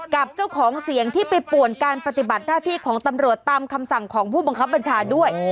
กับเจ้าของเสียงที่ไปป่วนการปฏิบัติหน้าที่ของตำรวจตามคำสั่งของผู้บังคับบัญชาด้วย